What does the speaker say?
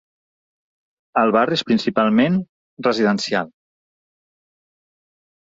El barri és principalment residencial.